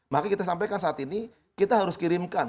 maka kita sampaikan saat ini kita harus kirimkan